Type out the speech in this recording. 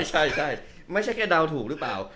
ใช่ไม่ใช่แค่เดาถูกหรือเปล่า